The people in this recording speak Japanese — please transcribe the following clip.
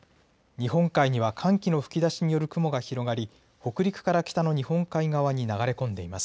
日本海には寒気の吹き出しによる雲が広がり、北陸から北の日本海側に流れ込んでいます。